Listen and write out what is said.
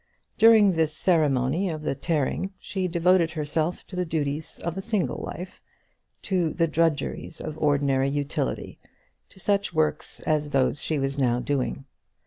During this ceremony of the tearing she devoted herself to the duties of a single life, to the drudgeries of ordinary utility, to such works as those she was now doing.